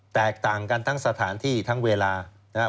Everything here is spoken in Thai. แตกต่างกันทั้งสถานที่ทั้งเวลานะครับ